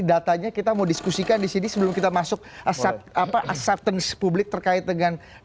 datanya kita mau diskusikan di sini sebelum kita masuk aset publik terkait dengan darah